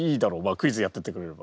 クイズやっててくれれば。